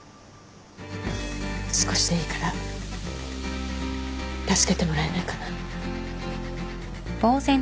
少しでいいから助けてもらえないかな？